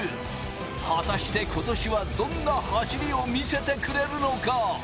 果たして、今年はどんな走りを見せてくれるのか？